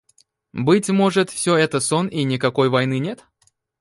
«Быть может, все это сон и никакой войны нет?